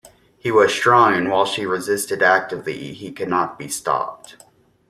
He was strong and while she resisted actively he could not be stopped.